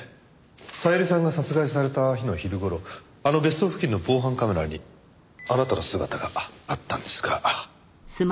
小百合さんが殺害された日の昼頃あの別荘付近の防犯カメラにあなたの姿があったんですが。